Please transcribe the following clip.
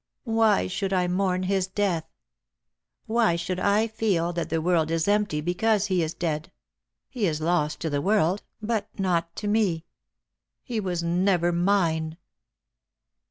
Why should I mourn his death ? Why should I feel that the world is empty because he is dead ? He ia lost to the world, but not to me. He was never mine."